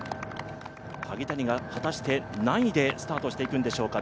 萩谷が果たして何位でスタートしていくんでしょうか。